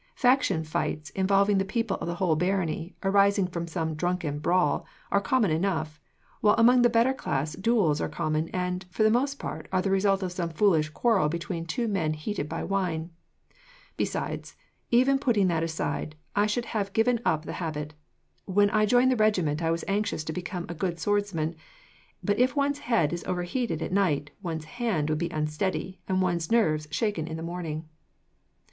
Faction fights, involving the people of the whole barony, arising from some drunken brawl, are common enough; while among the better class duels are common and, for the most part, are the result of some foolish quarrel between two men heated by wine. Besides, even putting that aside, I should have given up the habit. When I joined the regiment, I was anxious to become a good swordsman, but if one's head is overheated at night, one's hand would be unsteady and one's nerves shaken in the morning.